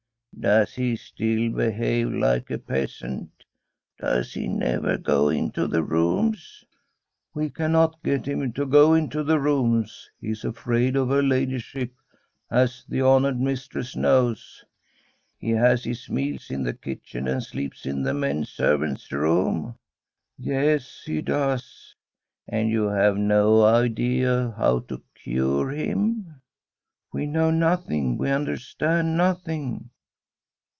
* Does he still behave like a peasant ? Does he never go into the rooms ?'' We cannot get him to go into the rooms ; he is afraid of her ladyship, as the honoured mis tress knows/ * He has his meals in the kitchen, and sleeps in the men servants' room ?' Tbi STORY 9f4i COUNTRY HOUSE ' Yes, he does.' ' And you have no idea how to cure him ?'* We know nothing, we understand nothing.'